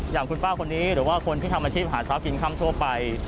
อย่างคุณป้าคนนี้หรือว่าคนที่ทำอาชีพหาเช้ากินค่ำทั่วไป